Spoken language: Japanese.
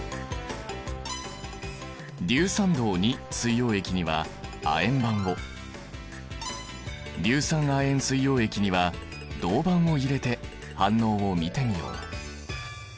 硫酸銅水溶液には亜鉛板を硫酸亜鉛水溶液には銅板を入れて反応を見てみよう。